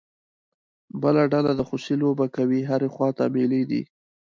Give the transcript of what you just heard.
بله ډله د خوسی لوبه کوي، هرې خوا ته مېلې دي.